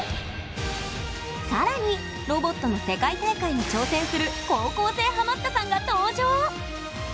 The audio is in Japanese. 更にロボットの世界大会に挑戦する高校生ハマったさんが登場！